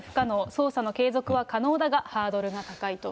捜査の継続は可能だが、ハードルが高いと。